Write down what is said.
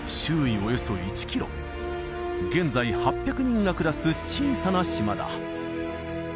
およそ１キロ現在８００人が暮らす小さな島だ